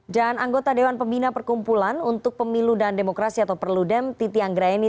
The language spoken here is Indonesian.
dan anggota dewan pembina perkumpulan untuk pemilu dan demokrasi atau perludem titi anggraeni